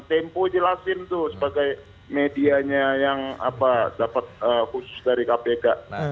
tempo jelasin tuh sebagai medianya yang dapat khusus dari kpk